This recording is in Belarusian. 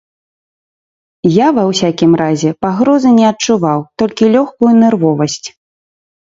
Я, ва ўсякім разе, пагрозы не адчуваў, толькі лёгкую нервовасць.